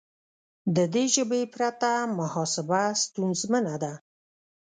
د دې ژبې پرته محاسبه ستونزمنه ده.